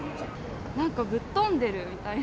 なんか、ぶっ飛んでるみたいな。